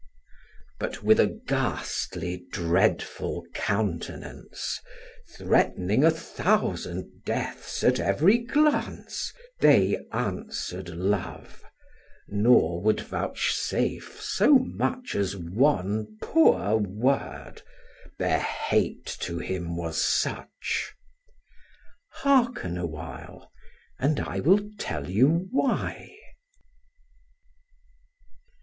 But with a ghastly dreadful countenance, Threatening a thousand deaths at every glance, They answer'd Love, nor would vouchsafe so much As one poor word, their hate to him was such: Hearken a while, and I will tell you why.